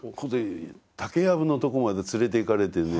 竹やぶのとこまで連れていかれてね